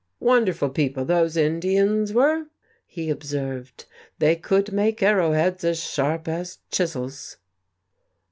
"Wonderful people, those Indians were!" he observed. "They could make arrowheads as sharp as chisels."